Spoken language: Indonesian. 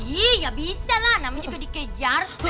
iya bisa lah namanya juga dikejar